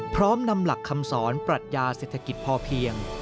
พร้อมนำหลักคำสอนปรัชญาเศรษฐกิจพอเพียง